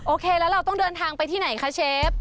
โอเคแล้วเราต้องเดินทางไปที่ไหนคะเชฟ